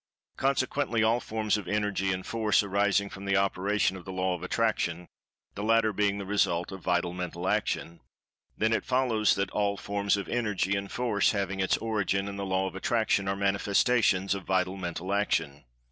Consequently, all forms of Energy and Force arising from the[Pg 156] operation of The Law of Attraction—the latter being the result of Vital Mental Action—then it follows that: All forms of Energy and Force having its origin in the Law of Attraction are manifestations of Vital Mental Action.